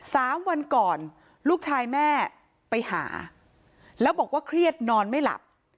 สามวันก่อนลูกชายแม่ไปหาแล้วบอกว่าเครียดนอนไม่หลับ